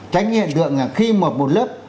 tránh hiện tượng là khi một lớp